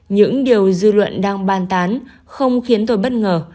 những điều dư luận đang bàn tán không khiến tôi bất ngờ